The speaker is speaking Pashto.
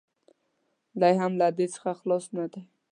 دی هم له دې څخه خلاص نه دی.